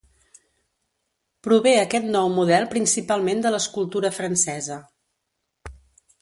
Prové aquest nou model principalment de l'escultura francesa.